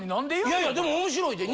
いやいやでも面白いで。